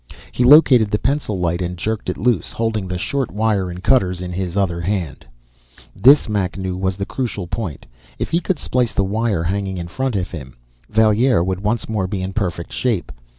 He located the pencil light and jerked it loose, holding the short wire and cutters in his other hand. This, Mac knew, was the crucial point. If he could splice the wire hanging in front of him, Valier would once more be in perfect shape.